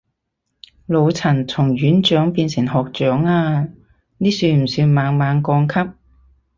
老陳從院長變成學長啊，呢算不算猛猛降級